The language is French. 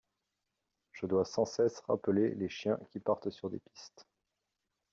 Je dois sans cesse rappeler les chiens qui partent sur des pistes.